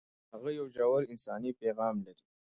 هغه یو ژور انساني پیغام لري.